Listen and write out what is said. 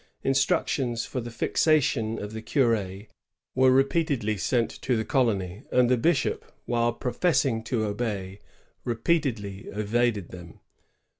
Instructions for the ^^ fixa tion " of the cur^ were repeatedly sent to the colony, and the bishop, while professing to obey, repeatedly evaded them.